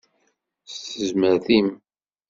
S tezmert-im!